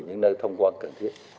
những nơi thông quan cần thiết